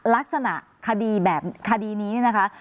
ลักษณะคดีแบบคดีนี้นะคะ